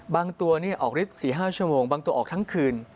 ตัวนี้ออกฤทธิ์๔๕ชั่วโมงบางตัวออกทั้งคืน